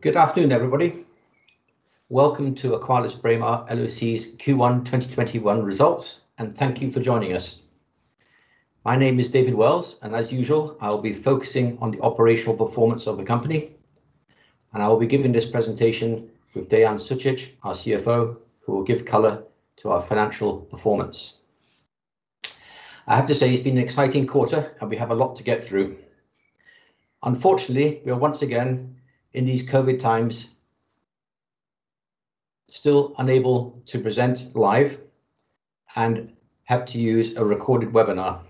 Good afternoon, everybody. Welcome to AqualisBraemar LOC's Q1 2021 results, and thank you for joining us. My name is David Wells, and as usual, I'll be focusing on the operational performance of the company. I'll be giving this presentation with Dean Zuzic, our CFO, who will give color to our financial performance. I have to say, it's been an exciting quarter, and we have a lot to get through. Unfortunately, we are once again, in these COVID times, still unable to present live and have to use a recorded webinar.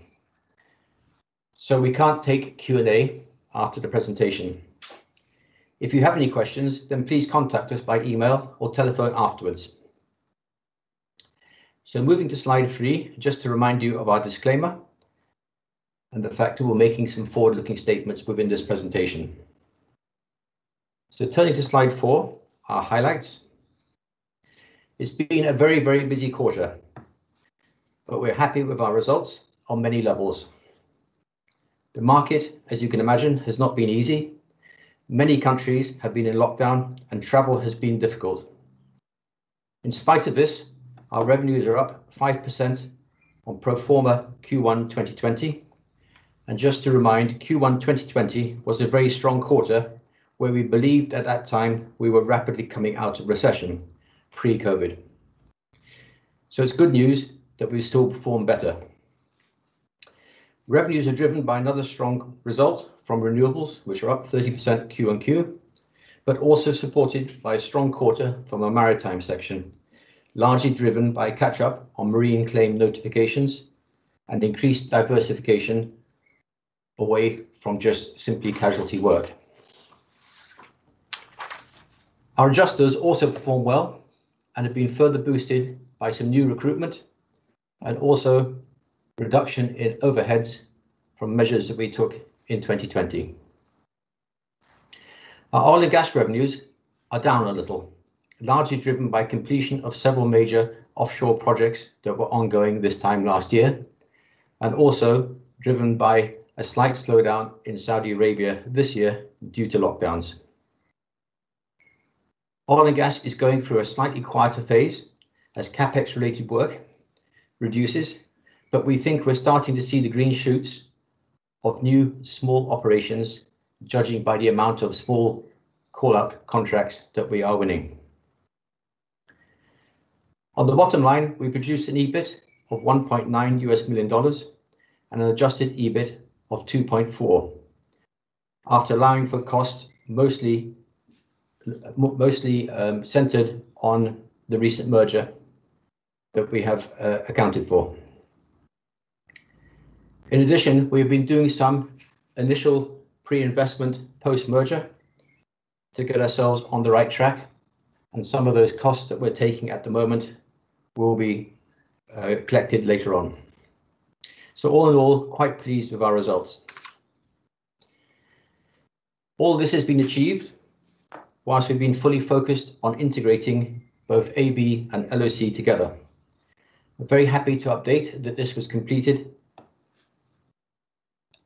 We can't take Q&A after the presentation. If you have any questions, then please contact us by email or telephone afterwards. Moving to slide 3, just to remind you of our disclaimer and the fact that we're making some forward-looking statements within this presentation. Turning to slide 4, our highlights. It's been a very busy quarter. We're happy with our results on many levels. The market, as you can imagine, has not been easy. Many countries have been in lockdown. Travel has been difficult. In spite of this, our revenues are up 5% on pro forma Q1 2020. Just to remind, Q1 2020 was a very strong quarter where we believed at that time we were rapidly coming out of recession pre-COVID. It's good news that we still performed better. Revenues are driven by another strong result from renewables, which are up 30% Q-on-Q, but also supported by a strong quarter from our maritime section, largely driven by catch-up on marine claim notifications and increased diversification away from just simply casualty work. Our adjusters also performed well and have been further boosted by some new recruitment and also reduction in overheads from measures that we took in 2020. Our oil and gas revenues are down a little, largely driven by completion of several major offshore projects that were ongoing this time last year and also driven by a slight slowdown in Saudi Arabia this year due to lockdowns. Oil and gas is going through a slightly quieter phase as CapEx-related work reduces, but we think we're starting to see the green shoots of new small operations, judging by the amount of small call-up contracts that we are winning. On the bottom line, we produced an EBIT of $1.9 million and an adjusted EBIT of $2.4 million, after allowing for costs mostly centered on the recent merger that we have accounted for. In addition, we've been doing some initial pre-investment post-merger to get ourselves on the right track, and some of those costs that we're taking at the moment will be collected later on. All in all, quite pleased with our results. All this has been achieved whilst we've been fully focused on integrating both AB and LOC together. I'm very happy to update that this was completed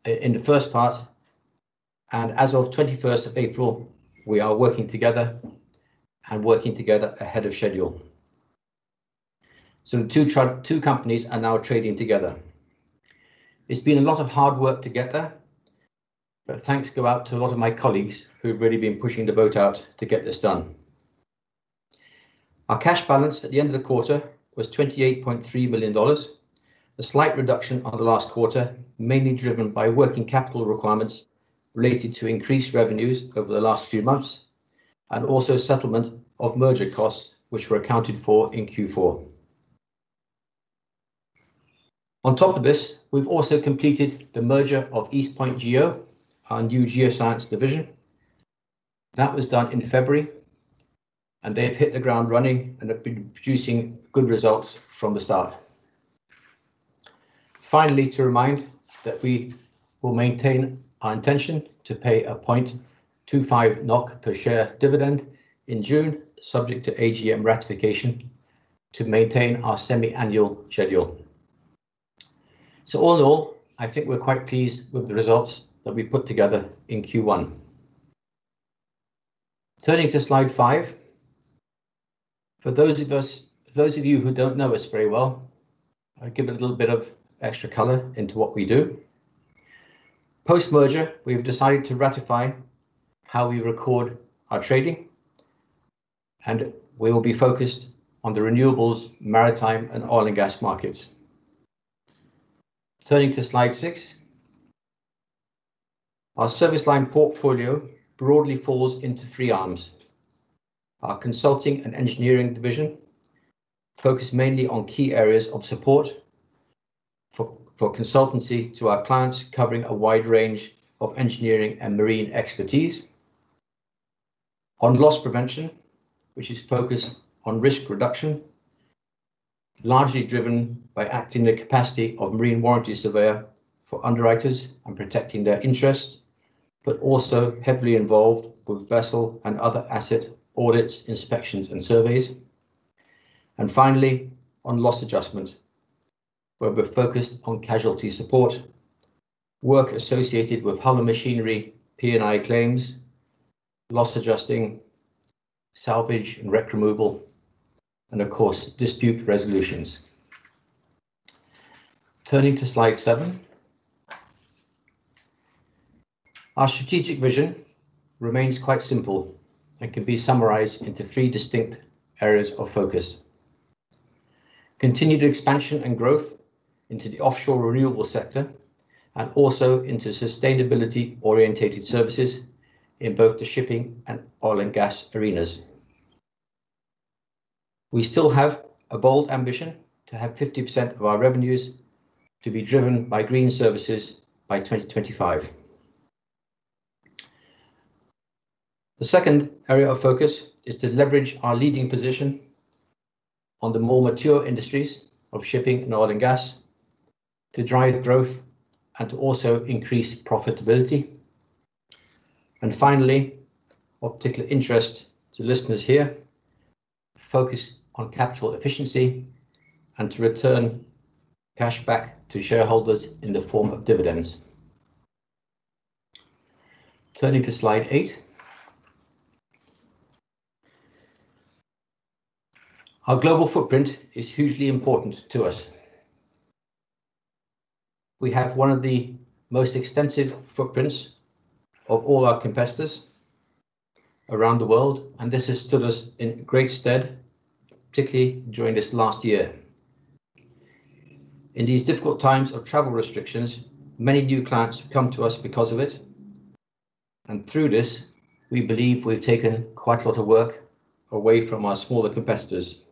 in the first part, and as of 21st of April, we are working together and working together ahead of schedule. The two companies are now trading together. It's been a lot of hard work to get there, but thanks go out to a lot of my colleagues who've really been pushing the boat out to get this done. Our cash balance at the end of the quarter was $28.3 million. The slight reduction on the last quarter, mainly driven by working capital requirements related to increased revenues over the last few months, and also settlement of merger costs, which were accounted for in Q4. On top of this, we've also completed the merger of East Point Geo, our new geoscience division. That was done in February, they've hit the ground running and have been producing good results from the start. Finally, to remind that we will maintain our intention to pay a 0.25 NOK per share dividend in June, subject to AGM ratification, to maintain our semi-annual schedule. All in all, I think we're quite pleased with the results that we put together in Q1. Turning to slide 5. For those of you who don't know us very well, I'll give it a little bit of extra color into what we do. Post-merger, we've decided to ratify how we record our trading, and we will be focused on the renewables, maritime, and oil and gas markets. Turning to slide 6. Our service line portfolio broadly falls into three arms. Our consulting and engineering division focus mainly on key areas of support for consultancy to our clients, covering a wide range of engineering and marine expertise. On loss prevention, which is focused on risk reduction, largely driven by acting in the capacity of marine warranty surveyor for underwriters on protecting their interests, but also heavily involved with vessel and other asset audits, inspections, and surveys. Finally, on loss adjustment, where we're focused on casualty support, work associated with hull and machinery P&I claims, loss adjusting, salvage and wreck removal, and of course, dispute resolutions. Turning to slide 7. Our strategic vision remains quite simple and can be summarized into three distinct areas of focus. Continued expansion and growth into the offshore renewable sector, and also into sustainability-orientated services in both the shipping and oil and gas arenas. We still have a bold ambition to have 50% of our revenues to be driven by green services by 2025. The second area of focus is to leverage our leading position on the more mature industries of shipping and oil and gas to drive growth and to also increase profitability. Finally, of particular interest to listeners here, focus on capital efficiency and to return cash back to shareholders in the form of dividends. Turning to slide 8. Our global footprint is hugely important to us. We have one of the most extensive footprints of all our competitors around the world, and this has stood us in great stead, particularly during this last year. In these difficult times of travel restrictions, many new clients have come to us because of it, and through this, we believe we've taken quite a lot of work away from our smaller competitors.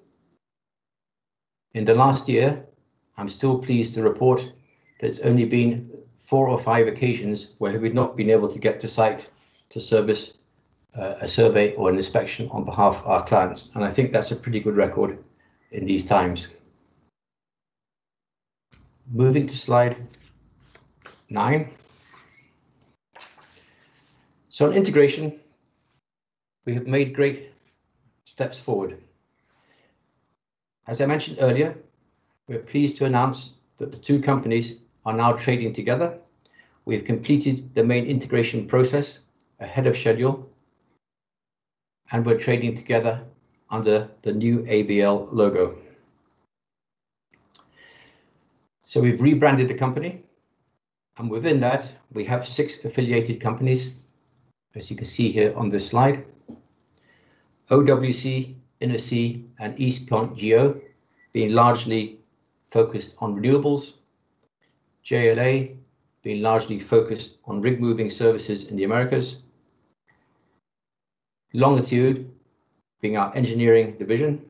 In the last year, I'm still pleased to report that it's only been four or five occasions where we've not been able to get to site to service a survey or an inspection on behalf of our clients, and I think that's a pretty good record in these times. Moving to slide 9. On integration, we have made great steps forward. As I mentioned earlier, we're pleased to announce that the two companies are now trading together. We have completed the main integration process ahead of schedule, and we're trading together under the new ABL logo. We've rebranded the company and within that, we have six affiliated companies, as you can see here on this slide. OWC, Innosea and East Point Geo being largely focused on renewables. JLA being largely focused on rig moving services in the Americas. Longitude being our engineering division.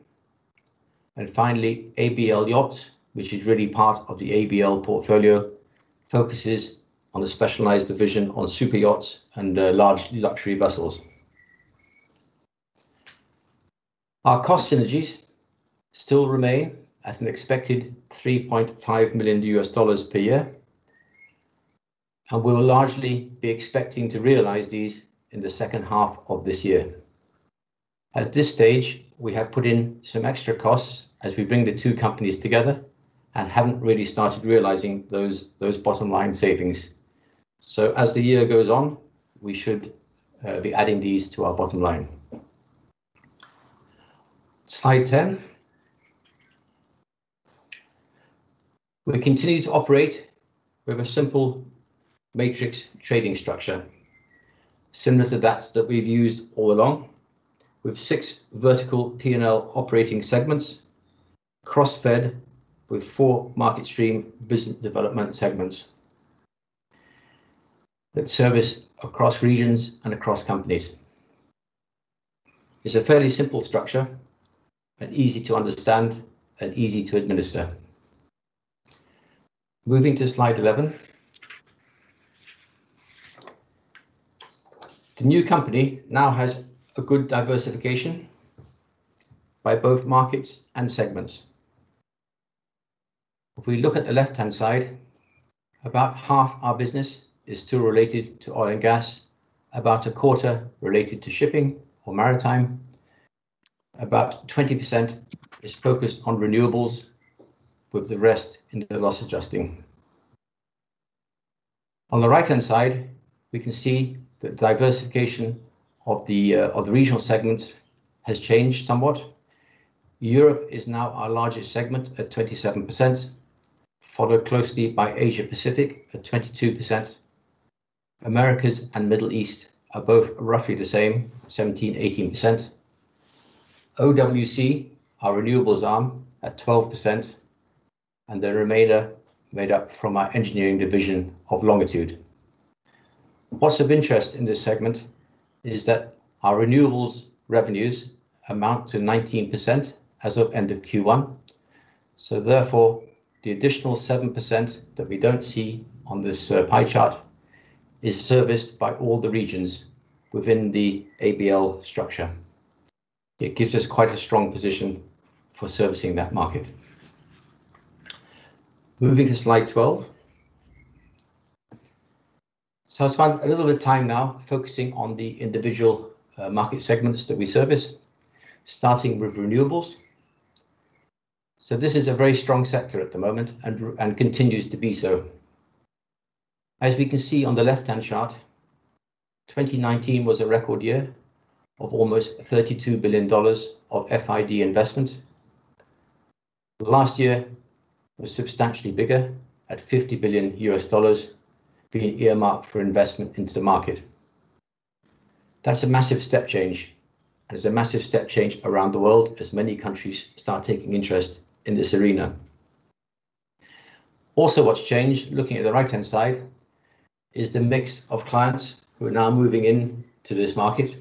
Finally, ABL Yachts, which is really part of the ABL portfolio, focuses on a specialized division on super yachts and large luxury vessels. Our cost synergies still remain at an expected $3.5 million per year. We'll largely be expecting to realize these in the second half of this year. At this stage, we have put in some extra costs as we bring the two companies together and haven't really started realizing those bottom line savings. As the year goes on, we should be adding these to our bottom line. Slide 10. We continue to operate with a simple matrix trading structure similar to that that we've used all along, with six vertical P&L operating segments, cross-fed with four market stream business development segments that service across regions and across companies. It's a fairly simple structure and easy to understand and easy to administer. Moving to slide 11. The new company now has a good diversification by both markets and segments. If we look at the left-hand side, about half our business is still related to oil and gas, about a quarter related to shipping or maritime, about 20% is focused on renewables, with the rest in the loss adjusting. On the right-hand side, we can see the diversification of the regional segments has changed somewhat. Europe is now our largest segment at 27%, followed closely by Asia Pacific at 22%. Americas and Middle East are both roughly the same, 17%, 18%. OWC, our renewables arm, at 12%, and the remainder made up from our engineering division of Longitude. What's of interest in this segment is that our renewables revenues amount to 19% as of end of Q1. Therefore, the additional 7% that we don't see on this pie chart is serviced by all the regions within the ABL structure. It gives us quite a strong position for servicing that market. Moving to slide 12. So I'll spend a little bit of time now focusing on the individual market segments that we service, starting with renewables. This is a very strong sector at the moment and continues to be so. As we can see on the left-hand chart, 2019 was a record year of almost $32 billion of FID investment. Last year was substantially bigger at $50 billion being earmarked for investment into the market. That's a massive step change. There's a massive step change around the world as many countries start taking interest in this arena. What's changed, looking at the right-hand side, is the mix of clients who are now moving into this market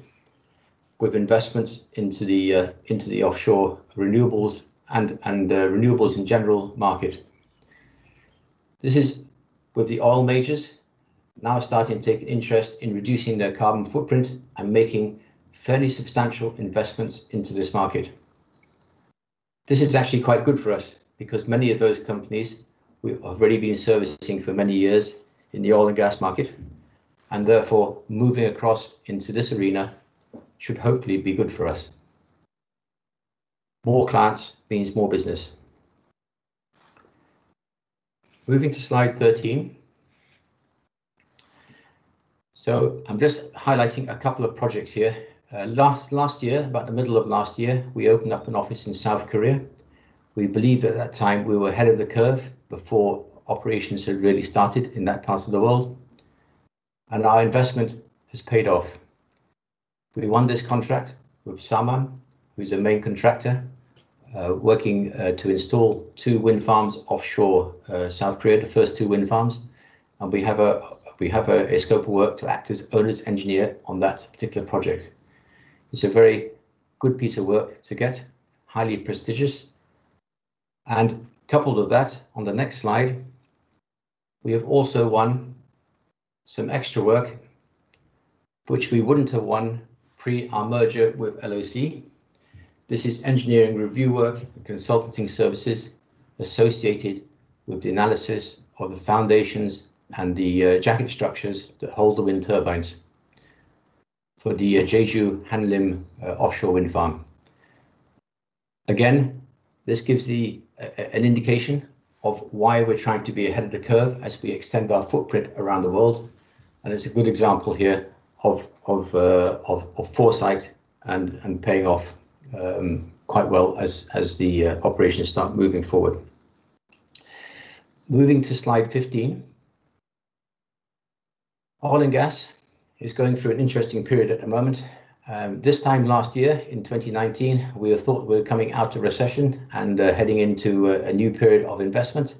with investments into the offshore renewables and renewables in general market. This is with the oil majors now starting to take interest in reducing their carbon footprint and making fairly substantial investments into this market. This is actually quite good for us because many of those companies we've already been servicing for many years in the oil and gas market, and therefore moving across into this arena should hopefully be good for us. More clients means more business. Moving to slide 13. I'm just highlighting a couple of projects here. Last year, about the middle of last year, we opened up an office in South Korea. We believed at that time we were ahead of the curve before operations had really started in that part of the world, and our investment has paid off. We won this contract with Saman, who's a main contractor, working to install two wind farms offshore South Korea, the first two wind farms, and we have a scope of work to act as owners' engineer on that particular project. It's a very good piece of work to get, highly prestigious. Coupled with that, on the next slide, we have also won some extra work, which we wouldn't have won pre our merger with LOC. This is engineering review work and consulting services associated with the analysis of the foundations and the jacket structures that hold the wind turbines for the Jeju Hanlim offshore wind farm. Again, this gives an indication of why we're trying to be ahead of the curve as we extend our footprint around the world, and it's a good example here of foresight and paying off quite well as the operations start moving forward. Moving to slide 15. Oil and gas is going through an interesting period at the moment. This time last year, in 2019, we thought we were coming out of recession and heading into a new period of investment.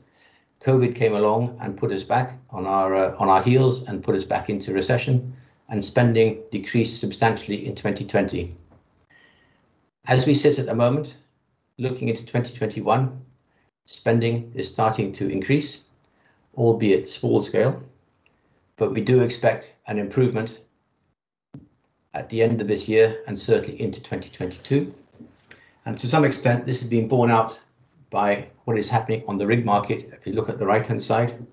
COVID came along and put us back on our heels and put us back into recession, and spending decreased substantially in 2020. As we sit at the moment, looking into 2021, spending is starting to increase, albeit small scale, but we do expect an improvement at the end of this year and certainly into 2022. To some extent, this has been borne out by what is happening on the rig market if you look at the right-hand side.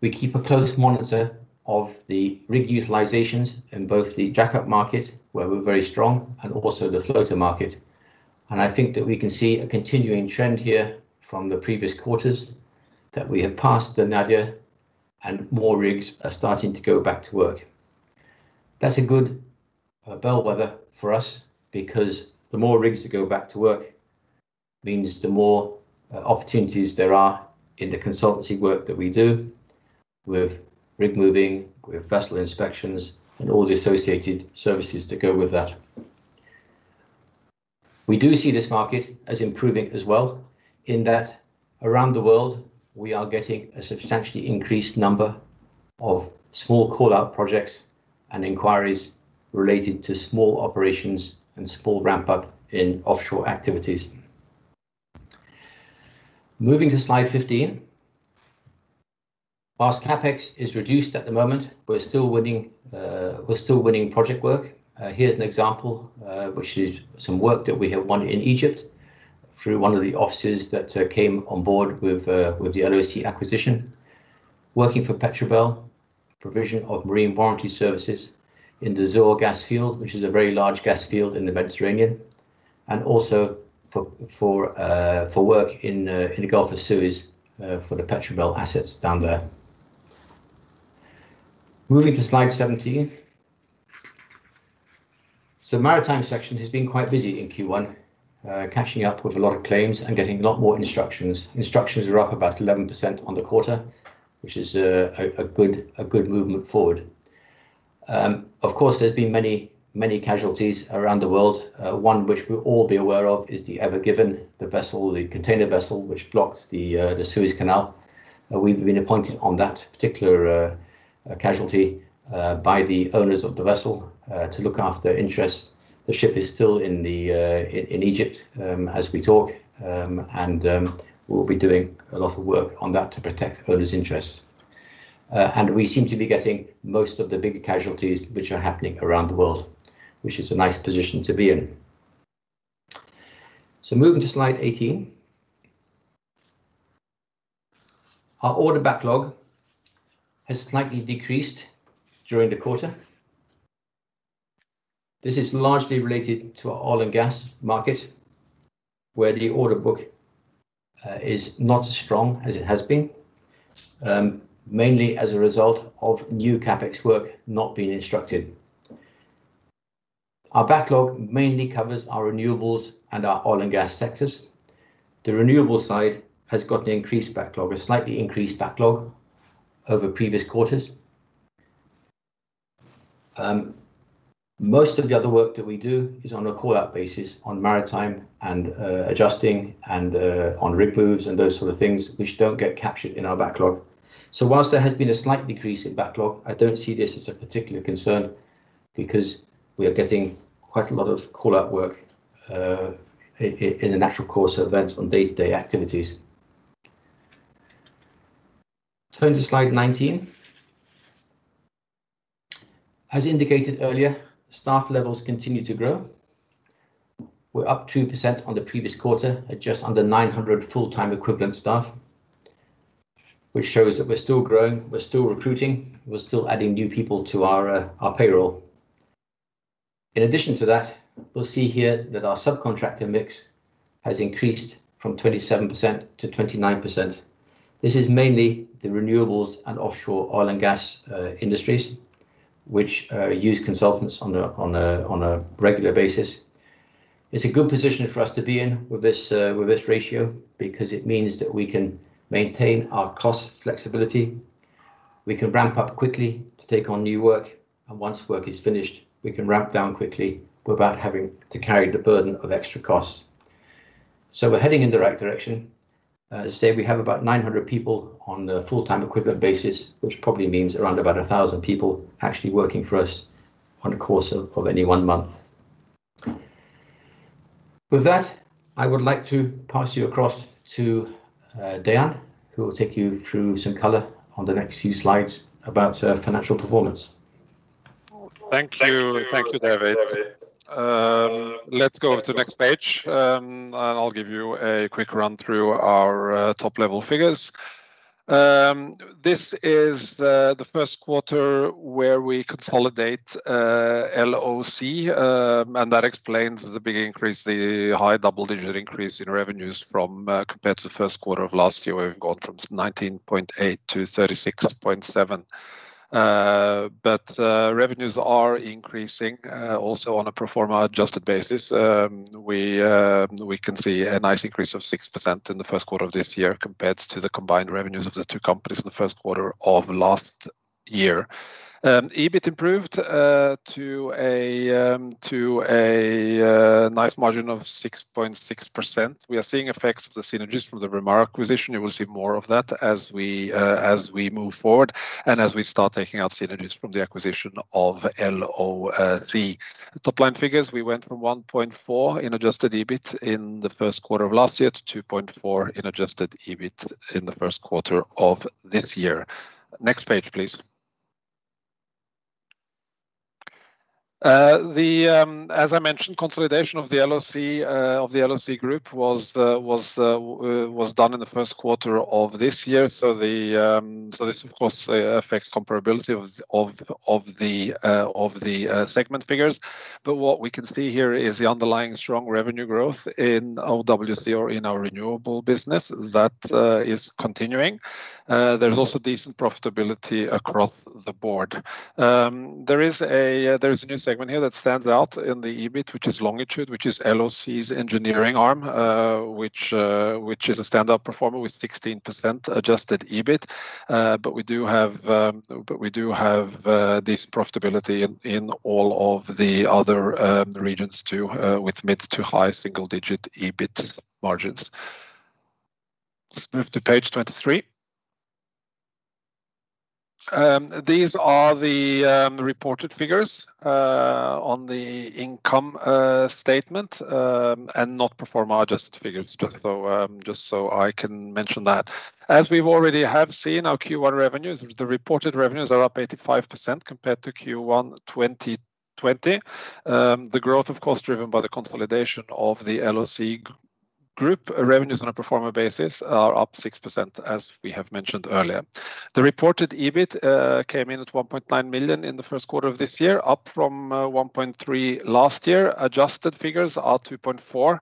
We keep a close monitor of the rig utilizations in both the jack-up market, where we're very strong, and also the floater market. I think that we can see a continuing trend here from the previous quarters that we have passed the nadir and more rigs are starting to go back to work. That's a good bellwether for us because the more rigs that go back to work means the more opportunities there are in the consultancy work that we do with rig moving, with vessel inspections, and all the associated services that go with that. We do see this market as improving as well in that around the world, we are getting a substantially increased number of small call-out projects and inquiries related to small operations and small ramp-up in offshore activities. Moving to slide 15. CapEx is reduced at the moment, we're still winning project work. Here's an example, which is some work that we have won in Egypt through one of the offices that came on board with the LOC acquisition, working for Petrobel, provision of marine warranty services in the Zohr gas field, which is a very large gas field in the Mediterranean, and also for work in the Gulf of Suez for the Petrobel assets down there. Moving to slide 17. Maritime section has been quite busy in Q1, catching up with a lot of claims and getting a lot more instructions. Orders are up about 11% on the quarter, which is a good movement forward. Of course, there's been many casualties around the world. One which we'll all be aware of is the Ever Given, the container vessel which blocked the Suez Canal. We've been appointed on that particular casualty by the owners of the vessel to look after interests. The ship is still in Egypt as we talk, and we'll be doing a lot of work on that to protect owners' interests. We seem to be getting most of the big casualties which are happening around the world, which is a nice position to be in. Moving to slide 18. Our order backlog has slightly decreased during the quarter. This is largely related to our oil and gas market, where the order book is not as strong as it has been, mainly as a result of new CapEx work not being instructed. Our backlog mainly covers our renewables and our oil and gas sectors. The renewables side has got an increased backlog, a slightly increased backlog over previous quarters. Most of the other work that we do is on a call-out basis on maritime and adjusting and on rig moves and those sort of things, which don't get captured in our backlog. Whilst there has been a slight decrease in backlog, I don't see this as a particular concern because we are getting quite a lot of call-out work in the natural course of events on day-to-day activities. Turn to slide 19. As indicated earlier, staff levels continue to grow. We're up 2% on the previous quarter at just under 900 full-time equivalent staff, which shows that we're still growing, we're still recruiting, we're still adding new people to our payroll. In addition to that, we'll see here that our subcontractor mix has increased from 27% to 29%. This is mainly the renewables and offshore oil and gas industries, which use consultants on a regular basis. It's a good position for us to be in with this ratio because it means that we can maintain our cost flexibility. We can ramp up quickly to take on new work, and once work is finished, we can ramp down quickly without having to carry the burden of extra costs. We're heading in the right direction. As I say, we have about 900 people on a full-time equivalent basis, which probably means around about 1,000 people actually working for us on the course of any one month. With that, I would like to pass you across to Dean, who will take you through some color on the next few slides about financial performance. Thank you, David. Let's go over to the next page, and I'll give you a quick run through our top-level figures. This is the first quarter where we consolidate LOC, and that explains the big increase, the high double-digit increase in revenues compared to the first quarter of last year, where we've gone from $19.8 million to $36.7 million. Revenues are increasing also on a pro forma adjusted basis. We can see a nice increase of 6% in the first quarter of this year compared to the combined revenues of the two companies in the first quarter of last year. EBIT improved to a nice margin of 6.6%. We are seeing effects of the synergies from the Braemar acquisition. You will see more of that as we move forward and as we start taking out synergies from the acquisition of LOC. Top-line figures, we went from $1.4 million in adjusted EBIT in the first quarter of last year to $2.4 million in adjusted EBIT in the first quarter of this year. Next page, please. As I mentioned, consolidation of the LOC Group was done in the first quarter of this year. This, of course, affects comparability of the segment figures. What we can see here is the underlying strong revenue growth in OWC or in our renewable business that is continuing. There's also decent profitability across the board. There is a new segment here that stands out in the EBIT, which is Longitude, which is LOC's engineering arm, which is a standout performer with 16% adjusted EBIT. We do have this profitability in all of the other regions too, with mid to high single-digit EBIT margins. Let's move to page 23. These are the reported figures on the income statement, not pro forma adjusted figures, just so I can mention that. As we already have seen, our Q1 revenues, the reported revenues are up 85% compared to Q1 2020. The growth, of course, driven by the consolidation of the LOC Group. Revenues on a pro forma basis are up 6%, as we have mentioned earlier. The reported EBIT came in at $1.9 million in the first quarter of this year, up from $1.3 million last year. Adjusted figures are $2.4 million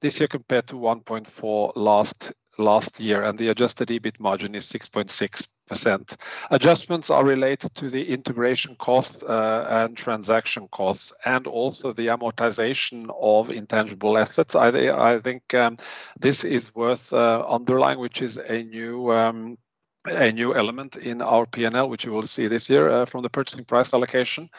this year compared to $1.4 million last year, the adjusted EBIT margin is 6.6%. Adjustments are related to the integration costs and transaction costs, also the amortization of intangible assets. I think this is worth underlying, which is a new element in our P&L, which you will see this year from the Purchase Price Allocation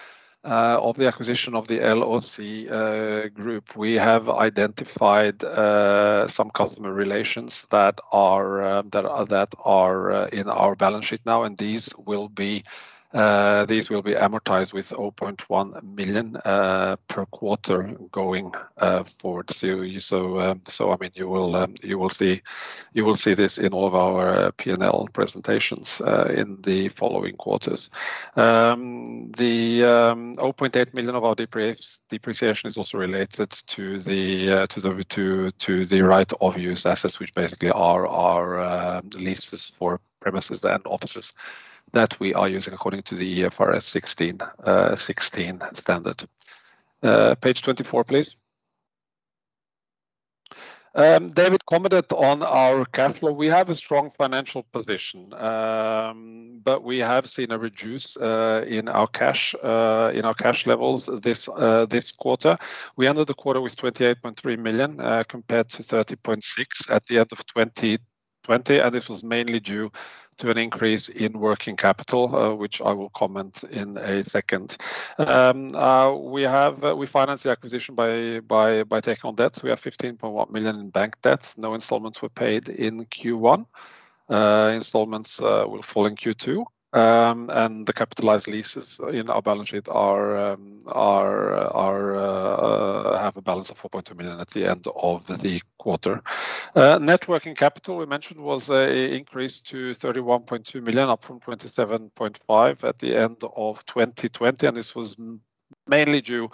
of the acquisition of the LOC Group. We have identified some customer relations that are in our balance sheet now, these will be amortized with $0.1 million per quarter going forward. You will see this in all of our P&L presentations in the following quarters. The $0.8 million of our depreciation is also related to the right-of-use assets, which basically are our leases for premises and offices that we are using according to the IFRS 16 standard. Page 24, please. David commented on our cash flow. We have a strong financial position, we have seen a reduce in our cash levels this quarter. We ended the quarter with $28.3 million, compared to $30.6 million at the end of 2020. This was mainly due to an increase in working capital, which I will comment in a second. We finance the acquisition by taking on debt. We have $15.1 million in bank debt. No installments were paid in Q1. Installments will fall in Q2. The capitalized leases in our balance sheet have a balance of $4.2 million at the end of the quarter. Net working capital, we mentioned, was increased to $31.2 million, up from $27.5 million at the end of 2020. This was mainly due.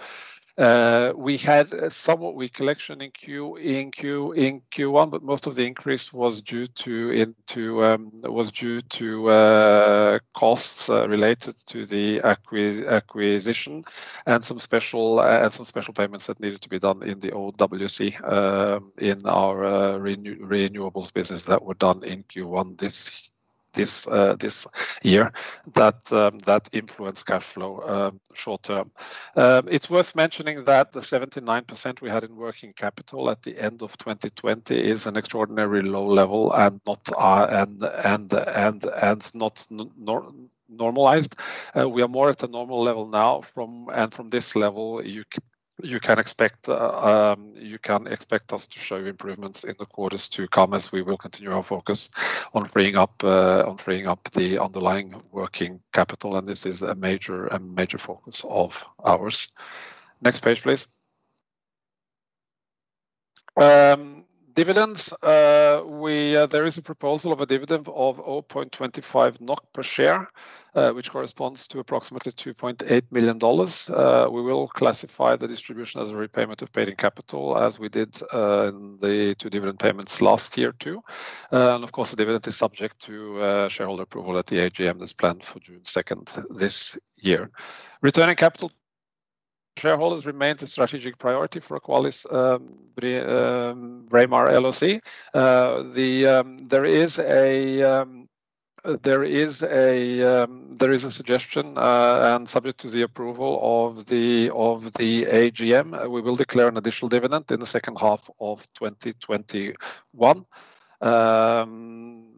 We had reduced collection in Q1, but most of the increase was due to costs related to the acquisition and some special payments that needed to be done in the OWC in our renewables business that were done in Q1 this year, that influenced cash flow short-term. It's worth mentioning that the 79% we had in working capital at the end of 2020 is an extraordinarily low level and not normalized. We are more at a normal level now, from this level, you can expect us to show improvements in the quarters to come as we will continue our focus on freeing up the underlying working capital, and this is a major focus of ours. Next page, please. Dividends. There is a proposal of a dividend of 0.25 NOK per share, which corresponds to approximately $2.8 million. We will classify the distribution as a repayment of paid in capital as we did in the two dividend payments last year, too. Of course, the dividend is subject to shareholder approval at the AGM that's planned for June 2nd this year. Returning capital to shareholders remains a strategic priority for AqualisBraemar LOC. There is a suggestion, and subject to the approval of the AGM, we will declare an additional dividend in the second half of 2021.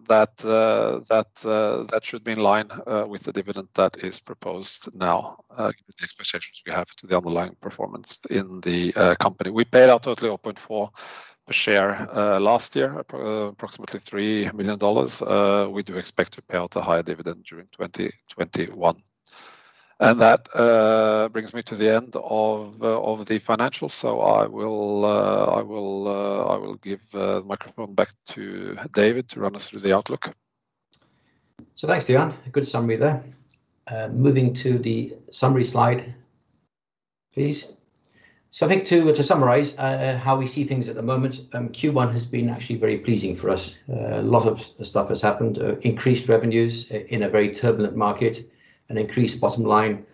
That should be in line with the dividend that is proposed now, given the expectations we have to the underlying performance in the company. We paid out totally 0.4 per share last year, approximately $3 million. We do expect to pay out a higher dividend during 2021. That brings me to the end of the financials. I will give the microphone back to David to run us through the outlook. Thanks, Dean. A good summary there. Moving to the summary slide, please. I think to summarize how we see things at the moment, Q1 has been actually very pleasing for us. A lot of stuff has happened. Increased revenues in a very turbulent market, an increased bottom line,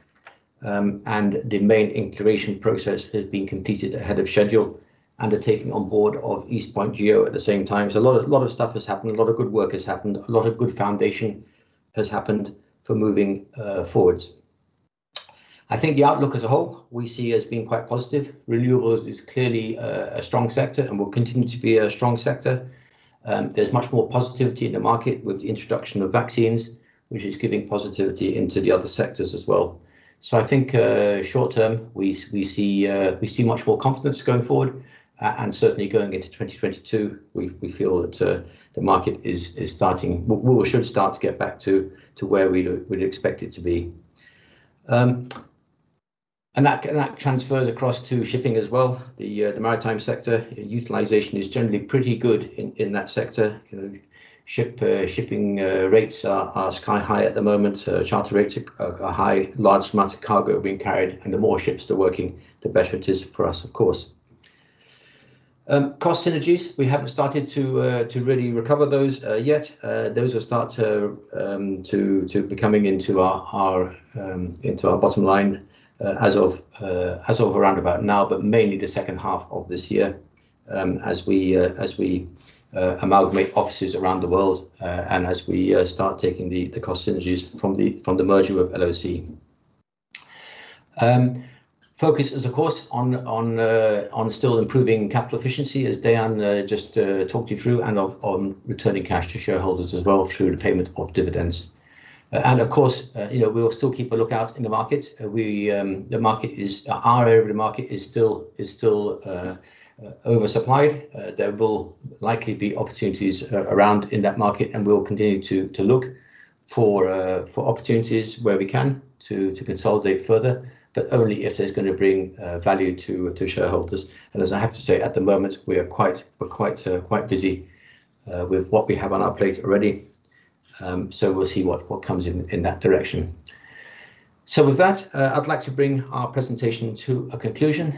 and the main integration process has been completed ahead of schedule and the taking on board of East Point Geo at the same time. A lot of stuff has happened, a lot of good work has happened. A lot of good foundation has happened for moving forwards. I think the outlook as a whole we see as being quite positive. Renewables is clearly a strong sector and will continue to be a strong sector. There's much more positivity in the market with the introduction of vaccines, which is giving positivity into the other sectors as well. I think short-term, we see much more confidence going forward. Certainly going into 2022, we feel that the market should start to get back to where we'd expect it to be. That transfers across to shipping as well. The maritime sector utilization is generally pretty good in that sector. Shipping rates are sky high at the moment. Charter rates are high. Large amounts of cargo are being carried, and the more ships that are working, the better it is for us, of course. Cost synergies, we haven't started to really recover those yet. Those will start to be coming into our bottom line as of around about now, but mainly the second half of this year, as we amalgamate offices around the world, and as we start taking the cost synergies from the merger with LOC. Focus is, of course, on still improving capital efficiency, as Dean just talked you through, and on returning cash to shareholders as well through the payment of dividends. Of course, we will still keep a lookout in the market. Our area of the market is still over-supplied. There will likely be opportunities around in that market, and we'll continue to look for opportunities where we can to consolidate further, but only if there's going to bring value to shareholders. As I have to say, at the moment, we're quite busy with what we have on our plate already. We'll see what comes in that direction. With that, I'd like to bring our presentation to a conclusion.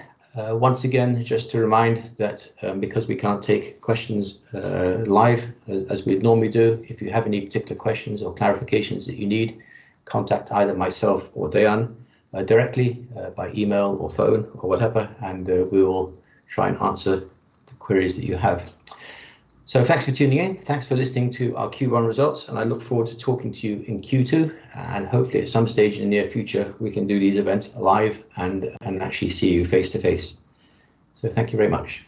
Once again, just to remind that because we can't take questions live as we'd normally do, if you have any particular questions or clarifications that you need, contact either myself or Dean directly by email or phone or whatever, and we will try and answer the queries that you have. Thanks for tuning in. Thanks for listening to our Q1 results, and I look forward to talking to you in Q2. Hopefully at some stage in the near future, we can do these events live and actually see you face-to-face. Thank you very much.